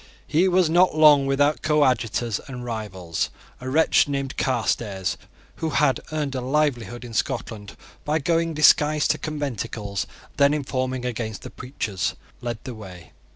He was not long without coadjutors and rivals. A wretch named Carstairs, who had earned a livelihood in Scotland by going disguised to conventicles and then informing against the preachers, led the way.